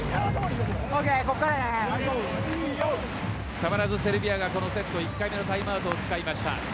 たまらずセルビアがこのセット、１回目のタイムアウトを使いました。